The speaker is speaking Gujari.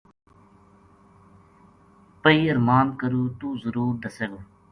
پَہی ارماند کروں توہ ضرور دسے گو